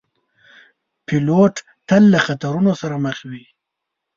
پیلوټ تل له خطرونو سره مخ وي.